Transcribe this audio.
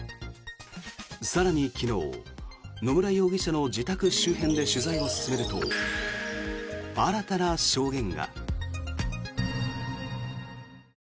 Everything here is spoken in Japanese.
更に昨日野村容疑者の自宅周辺で取材を進めると新たな証言が。